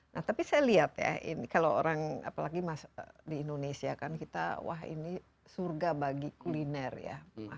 nah tapi saya lihat ya ini kalau orang apalagi mas di indonesia kan kita wah ini surga bagi kuliner ya